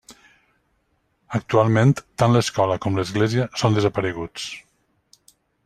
Actualment tant l'escola com l'església són desapareguts.